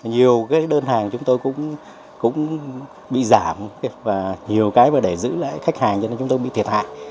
nhiều cái đơn hàng chúng tôi cũng bị giảm và nhiều cái mà để giữ lại khách hàng cho nên chúng tôi bị thiệt hại